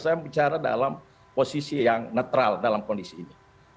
saya bicara dalam posisi yang netral dalam kondisi ini